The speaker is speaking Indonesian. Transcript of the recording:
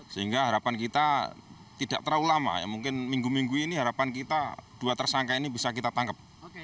sehingga harapan kita tidak terlalu lama ya mungkin minggu minggu ini harapan kita dua tersangka ini bisa kita tangkap